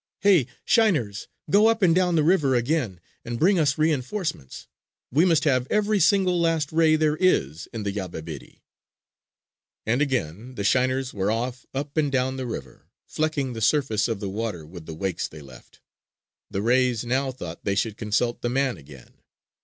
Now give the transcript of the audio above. "Hey, shiners! Go up and down the river again, and bring us reenforcements! We must have every single last ray there is in the Yabebirì!" And again the shiners were off up and down the river, flecking the surface of the water with the wakes they left. The rays now thought they should consult the man again.